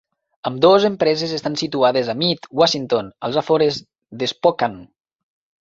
Ambdós empreses estan situades a Mead, Washington, als afores d'Spokane.